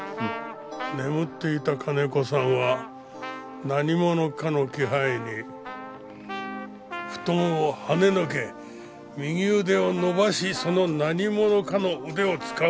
眠っていた金子さんは何者かの気配に布団をはねのけ右腕を伸ばしその何者かの腕をつかもうとする。